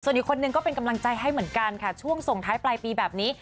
อีกคนนึงก็เป็นกำลังใจให้เหมือนกันค่ะช่วงส่งท้ายปลายปีแบบนี้